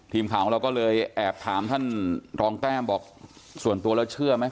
ทีมข่าวของเราก็เลยแอบถามท่านรองแต้มบอกส่วนตัวแล้วเชื่อไหม